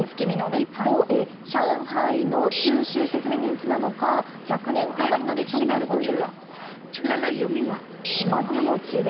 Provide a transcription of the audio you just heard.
一方、上海の中秋節で人気なのが、１００年余りの歴史があるという。